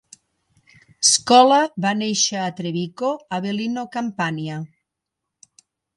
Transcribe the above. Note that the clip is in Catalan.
Scola va néixer a Trevico, Avellino, Campania.